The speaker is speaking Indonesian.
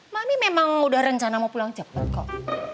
mami memang udah rencana mau pulang cepat kok